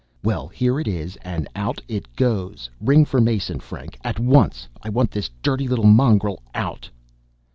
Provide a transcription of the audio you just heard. "Well, here it is and out it goes. Ring for Mason, Frank, at once. I want this dirty little mongrel out!"